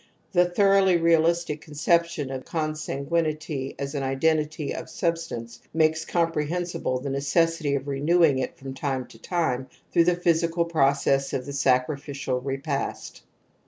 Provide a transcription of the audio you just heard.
The thoroughly realistic conception of . consanguinity as an identity of substance makes comprehensible the necessity of renewing it from time to time through the physical process of the sacrificial repast.